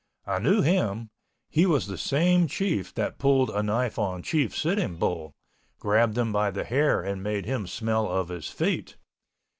I knew him—he was the same Chief that pulled a knife on Chief Sitting Bull, grabbed him by the hair and made him smell of his feet.